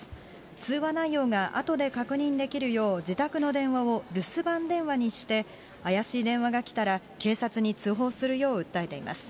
通話内容があとで確認できるよう自宅に電話を留守番電話にして、怪しい電話がきたら警察に通報するよう訴えています。